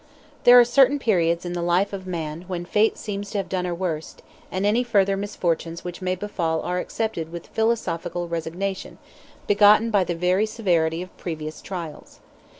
There are certain periods in the life of man when Fate seems to have done her worst, and any further misfortunes which may befall are accepted with a philosophical resignation, begotten by the very severity of previous trials.